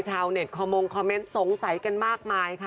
ชาวเน็ตคอมมงคอมเมนต์สงสัยกันมากมายค่ะ